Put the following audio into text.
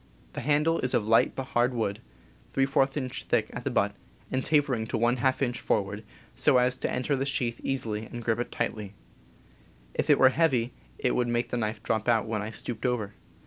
The handle is of light but hard wood, } inch thick at the butt and tapering to h inch forward, so as to enter the sheath easily and grip it tightly. If it were heavy it would make the knife drop out when I stooped over.